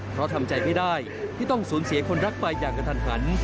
เพราะทำใจไม่ได้ที่ต้องสูญเสียคนรักไปอย่างกระทันหัน